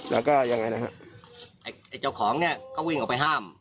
แล้วก็ยังไงนะฮะไอ้เจ้าของเนี่ยก็วิ่งออกไปห้าม